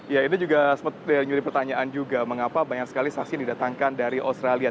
ya ini juga menjadi pertanyaan juga mengapa banyak sekali saksi yang didatangkan dari australia